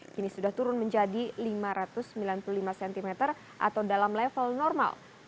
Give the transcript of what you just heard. kini sudah turun menjadi lima ratus sembilan puluh lima cm atau dalam level normal